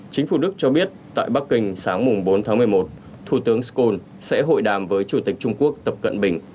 chính phủ đức cho biết tại bắc kinh sáng bốn tháng một mươi một thủ tướng scon sẽ hội đàm với chủ tịch trung quốc tập cận bình